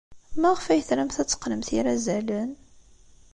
Maɣef ay tramt ad teqqnemt irazalen?